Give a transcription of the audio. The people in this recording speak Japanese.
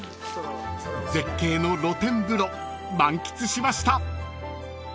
［絶景の露天風呂満喫しました］